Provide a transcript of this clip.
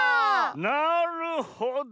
なるほど！